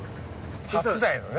初台のね。